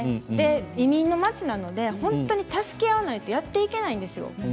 移民の街なので本当に助け合わないとやっていけないんですよ。